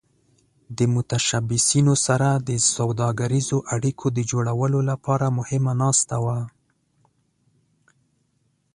د متشبثینو سره د سوداګریزو اړیکو د جوړولو لپاره مهمه ناسته وه.